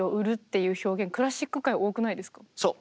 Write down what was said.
そう。